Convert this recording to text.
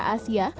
di negara asia